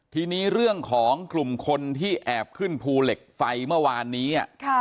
ทีนี้เรื่องของกลุ่มคนที่แอบขึ้นภูเหล็กไฟเมื่อวานนี้